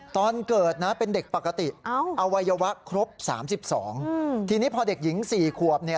ตอนเกิดนะเป็นเด็กปกติอวัยวะครบ๓๒ทีนี้พอเด็กหญิง๔ขวบเนี่ย